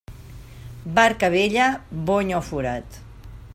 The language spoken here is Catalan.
Barca vella, bony o forat.